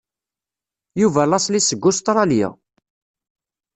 Yuba laṣel-is seg Ustṛalya.